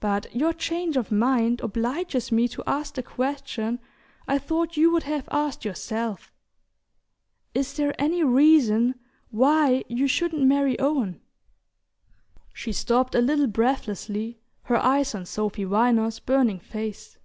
But your change of mind obliges me to ask the question I thought you would have asked yourself. Is there any reason why you shouldn't marry Owen?" She stopped a little breathlessly, her eyes on Sophy Viner's burning face.